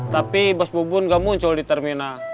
tapi bos bubun gak muncul di terminal